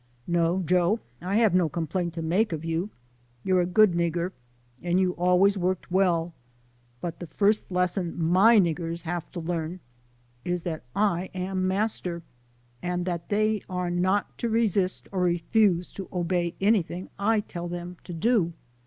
" No, Joe ;" I've no complaint to make of you ; you're a good nigger, and you've always worked well ; but the first lesson my niggers have to learn is that I am master^ and that they are not to resist or refuse to obey anything I tell 'em to do.